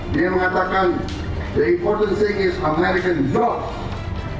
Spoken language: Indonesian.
dia mengatakan the important thing is american jobs